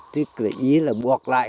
thế ý là buộc lại